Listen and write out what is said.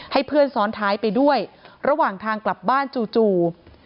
ให้เพื่อนซ้อนท้ายไปด้วยระหว่างทางกลับบ้านจู่